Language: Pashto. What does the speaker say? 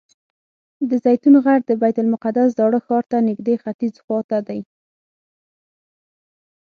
د زیتون غر د بیت المقدس زاړه ښار ته نږدې ختیځ خوا ته دی.